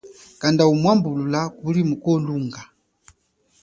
Kanda umwambulula kuli muko lunga.